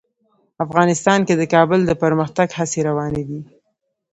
افغانستان کې د کابل د پرمختګ هڅې روانې دي.